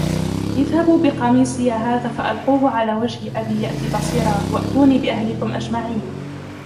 اذهبوا بقميصي هذا فألقوه على وجه أبي يأت بصيرا وأتوني بأهلكم أجمعين